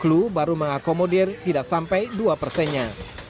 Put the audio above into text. clue baru mengakomodir tidak sampai dua persennya